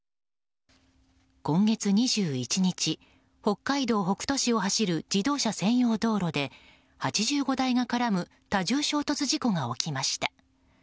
今月２１日、北海道北斗市を走る自動車専用道路で８５台が絡む多重衝突事故が起きました。